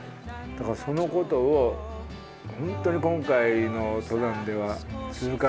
だからそのことを本当に今回の登山では痛感しました。